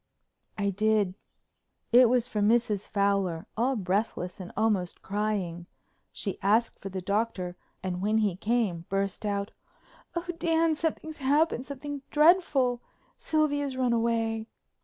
I did. It was from Mrs. Fowler, all breathless and almost crying. She asked for the Doctor and when he came burst out: "Oh, Dan, something's happened—something dreadful. Sylvia's run away."